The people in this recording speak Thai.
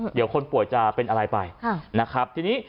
เดี๋ยวคนป่วยจะเป็นอะไรไป